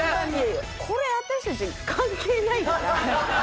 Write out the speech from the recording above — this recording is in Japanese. これ私たち関係ないから。